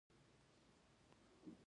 هر څوک خپل نظر لري.